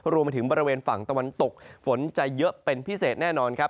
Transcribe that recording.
รวมไปถึงบริเวณฝั่งตะวันตกฝนจะเยอะเป็นพิเศษแน่นอนครับ